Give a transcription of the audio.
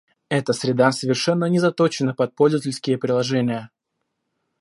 Эта среда совершенно не заточена под пользовательские приложения